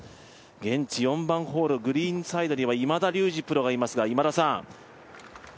現地４番ホール、グリーンサイドには今田竜二プロがいますが、今田さん